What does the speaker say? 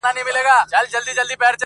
که خدای وکړه هره خوا مي پرې سمېږي,